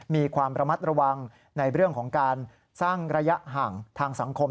มีความระมัดระวังในเรื่องของการสร้างระยะห่างทางสังคม